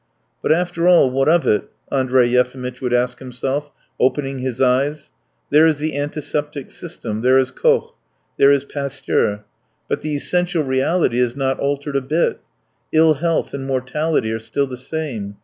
"But, after all, what of it?" Andrey Yefimitch would ask himself, opening his eyes. "There is the antiseptic system, there is Koch, there is Pasteur, but the essential reality is not altered a bit; ill health and mortality are still the same.